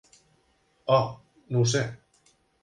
Oh, no ho sé.